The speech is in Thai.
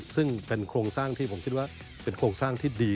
ซึ่งเป็นโครงสร้างที่ผมคิดว่าเป็นโครงสร้างที่ดี